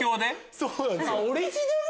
そうなんですよ。